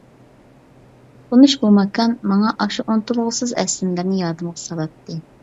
تونۇش بۇ ماكان ماڭا ئاشۇ ئۇنتۇلغۇسىز ئەسلىمىلەرنى يادىمغا سالاتتى.